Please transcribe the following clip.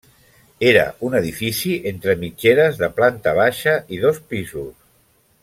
Era un edifici entre mitgeres de planta baixa i dos pisos.